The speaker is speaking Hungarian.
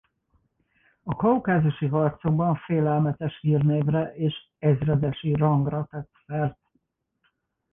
A kaukázusi harcokban félelmetes hírnévre és ezredesi rangra tett szert.